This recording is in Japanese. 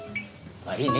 悪いね。